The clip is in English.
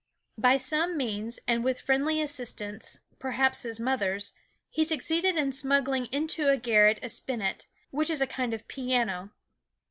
By some means, and with friendly assistance (perhaps his mother's), he succeeded in smuggling into the garret a spinet, which is a kind of piano.